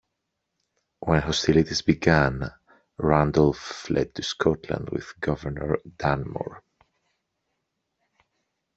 When hostilities began, Randolph fled to Scotland with Governor Dunmore.